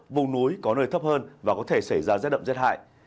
vùng núi có nơi thấp hơn và có thể xảy ra rét đậm rét hại